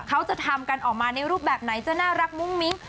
เขาจะทำกันออกมาในรูปแบบไหนจะน่ารักมุ้งมิ้ง